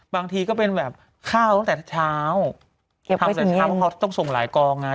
บางทีก็เป็นแบบข้าวตั้งแต่เช้าทำแต่เช้าเพราะเขาต้องส่งหลายกองไง